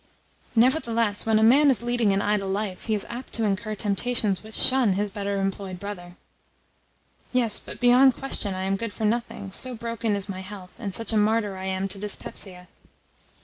"Nevertheless, when a man is leading an idle life he is apt to incur temptations which shun his better employed brother." "Yes, but beyond question I am good for nothing, so broken is my health, and such a martyr I am to dyspepsia."